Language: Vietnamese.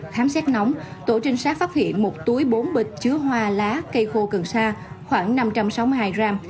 khám xét nóng tổ trinh sát phát hiện một túi bốn bịch chứa hoa lá cây khô cần sa khoảng năm trăm sáu mươi hai gram